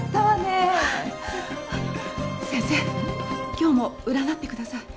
今日も占ってください。